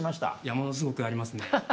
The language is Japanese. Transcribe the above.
ものすごくありますね。